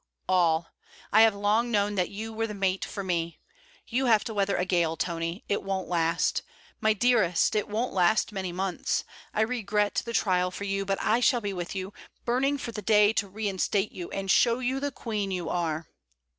'All. I have long known that you were the mate for me. You have to weather a gale, Tony. It won't last. My dearest! it won't last many months. I regret the trial for you, but I shall be with you, burning for the day to reinstate you and show you the queen you are.'